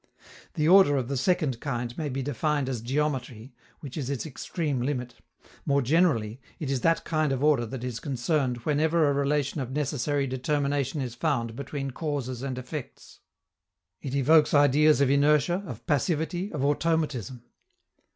The order of the second kind may be defined as geometry, which is its extreme limit; more generally, it is that kind of order that is concerned whenever a relation of necessary determination is found between causes and effects. It evokes ideas of inertia, of passivity, of automatism.